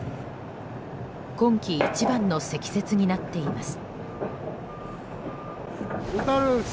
今季一番の積雪になっています。